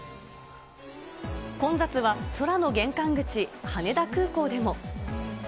混雑は空の玄関口、羽田空港でも。